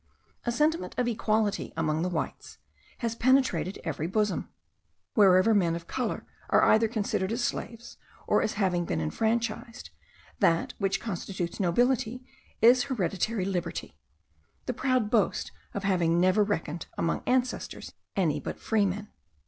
A sentiment of equality, among the whites, has penetrated every bosom. Wherever men of colour are either considered as slaves or as having been enfranchised, that which constitutes nobility is hereditary liberty the proud boast of having never reckoned among ancestors any but freemen.